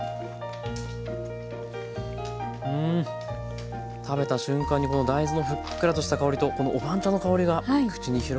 うん食べた瞬間に大豆のふっくらとした香りとお番茶の香りが口に広がりますね。